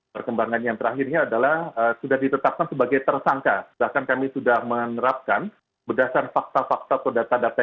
perkembangan yang terakhirnya adalah sudah ditetapkan sebagai tersangka bahkan kami sudah menerapkan berdasarkan fakta fakta atau data data